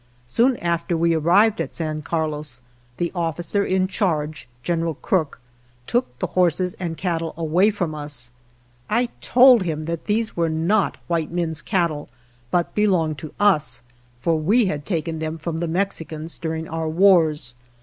Soon after we arrived at San Carlos the officer in charge, General Crook, took the horses and cattle away from us. I told him that these were not white men's cattle, but belonged to us, for we had taken them from the Mexicans during our wars.